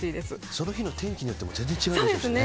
その時に天気によっても全然違いますしね。